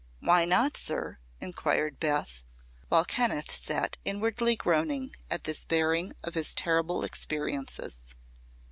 "Why not, sir?" inquired Beth, while Kenneth sat inwardly groaning at this baring of his terrible experiences.